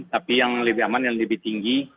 tapi yang lebih aman yang lebih tinggi